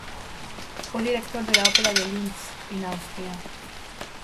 Fue director de la opera de Linz en Austria.